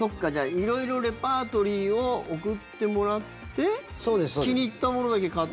色々レパートリーを送ってもらって気に入ったものだけ買って。